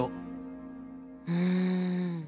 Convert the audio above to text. うん。